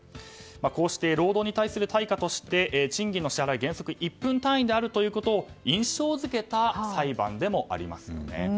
こうして労働に対する対価として賃金の支払い原則１分単位であるということを印象付けた裁判でもありますよね。